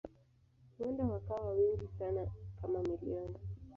Huenda wakawa wengi sana kama milioni.